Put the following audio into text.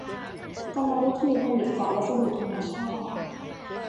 กรรมวิธีผลิตจากวัสดุธรรมชาติ